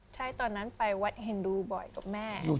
ใช่ตอนนั้นไปวัดเฮนดูบ่อยกับแม่